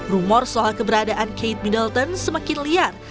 rumor soal keberadaan kate middleton semakin liar